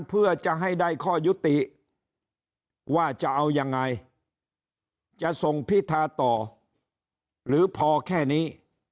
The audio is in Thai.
เพื่อจะให้ได้ข้อยุติว่าจะเอายังไงจะส่งพิธาต่อหรือพอแค่นี้